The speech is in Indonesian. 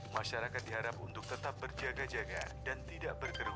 masyarakat diharap untuk tetap berjaga jaga dan tidak berkerumu